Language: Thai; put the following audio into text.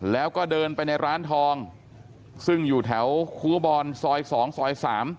แล้วก็เดินไปในร้านทองซึ่งอยู่แถวครูบอลซอย๒ซอย๓